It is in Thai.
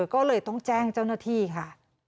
ก็เลยต้องแจ้งเจ้าหน้าที่ค่ะ